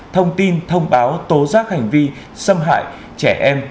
thông tin thông báo tố giác hành vi xâm hại trẻ em